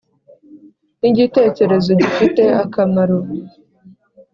nigitekerezo gifite akamaro